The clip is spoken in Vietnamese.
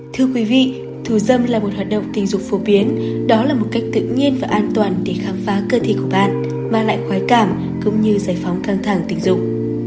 thưa quý vị thù dâm là một hoạt động tình dục phổ biến đó là một cách tự nhiên và an toàn để khám phá cơ thể của bạn mà lại khoái cảm cũng như giải phóng căng thẳng tình dục